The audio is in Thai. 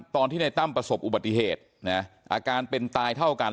ตอนที่ในตั้มประสบอุบัติเหตุนะอาการเป็นตายเท่ากัน